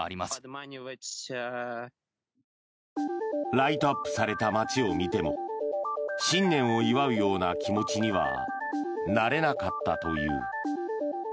ライトアップされた街を見ても新年を祝うような気持ちにはなれなかったという。